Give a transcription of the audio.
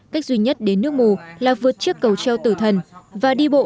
cách duy nhất đến nước mù là vượt chiếc cầu treo tử thần và đi bộ